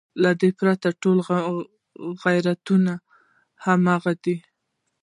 له دې پرته ټول غیرتونه همغه دي.